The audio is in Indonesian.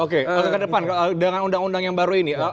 oke ke depan dengan undang undang yang baru ini